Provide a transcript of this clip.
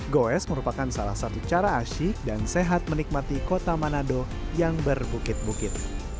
goes merupakan salah satu cara asyik dan sehat menikmati kota manado yang berbukit bukit